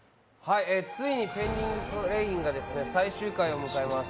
ついに「ペンディングトレイン」が最終回を迎えます。